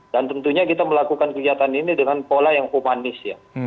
dan tentunya kita melakukan kegiatan ini dengan pola yang humanis